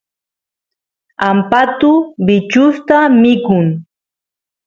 ampatu bichusta mikun